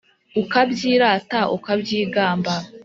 Ukabyirata ukabyigamba